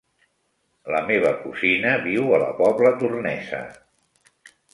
La meva cosina viu a la Pobla Tornesa.